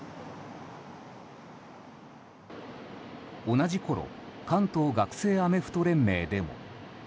同じころ関東学生アメフト連盟でも。